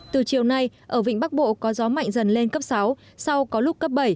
từ chiều nay ở vịnh bắc bộ có gió mạnh dần lên cấp sáu sau có lúc cấp bảy